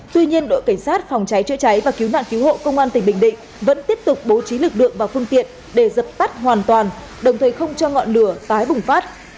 tuy nhiên đội cảnh sát phòng cháy chữa cháy và cứu nạn cứu hộ công an tỉnh bình định vẫn tiếp tục bố trí lực lượng và phương tiện để dập tắt hoàn toàn đồng thời không cho ngọn lửa tái bùng phát